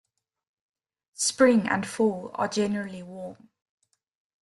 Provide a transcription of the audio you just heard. Spring and fall are generally warm.